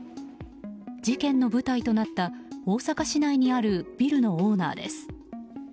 事件の舞台となった大阪市内にあるビルのオーナーです。